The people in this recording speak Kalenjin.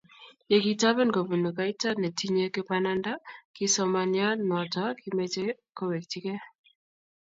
Ye kitoben kobunuu kaita netinye bananda kisomanian noto kimeche kowekchikei.